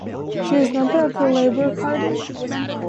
She is a member of the Labour Party.